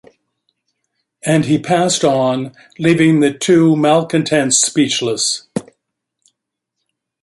And he passed on, leaving the two malcontents speechless.